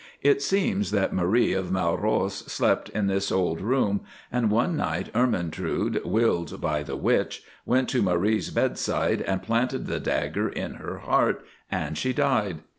It seems that Marie of Mailross slept in this old room, and one night Ermentrude, willed by the witch, went to Marie's bedside, and planted the dagger in her heart, and she died.